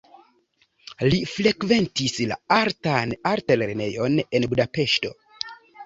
Li frekventis la artan altlernejon en Budapeŝto.